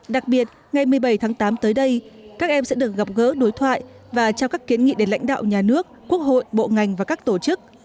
đặc biệt ngày một mươi bảy tháng tám tới đây các em sẽ được gặp gỡ đối thoại và trao các kiến nghị đến lãnh đạo nhà nước quốc hội bộ ngành và các tổ chức